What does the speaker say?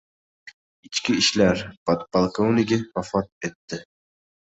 Ichki ishlar podpolkovnigi vafot etdi